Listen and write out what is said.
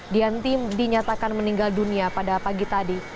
dianti dinyatakan meninggal dunia pada pagi tadi